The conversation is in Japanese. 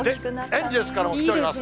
エンジェルスからもきてます。